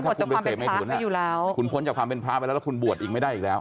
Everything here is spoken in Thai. ถ้าคุณไปเสพเมถุนคุณพ้นจากความเป็นพระไปแล้วแล้วคุณบวชอีกไม่ได้อีกแล้ว